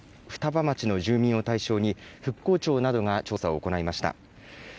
双葉町の住民を対象に、復興庁などが調査を行いました。